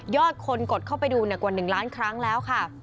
คนกดเข้าไปดูกว่า๑ล้านครั้งแล้วค่ะ